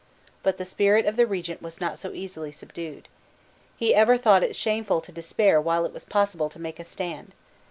But the spirit of the regent was not so easily subdued. He ever thought it shameful to despair while it was possible to make a stand.